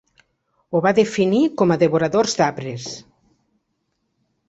Ho va definir com a "devoradors d'arbres".